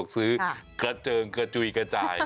เกอร์เจิงเกอร์จุยเกอร์จาย